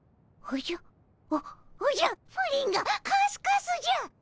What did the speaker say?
おおじゃプリンがカスカスじゃ。